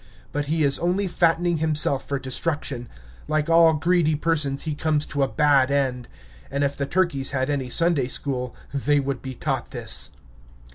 But he is only fattening himself for destruction; like all greedy persons, he comes to a bad end. And if the turkeys had any Sunday school, they would be taught this.